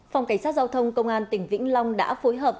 phòng cảnh sát giao thông công an tỉnh vĩnh long đã phối hợp